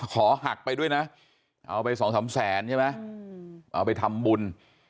ขอหักไปด้วยนะเอาไปสองสามแสนใช่ไหมเอาไปทำบุญ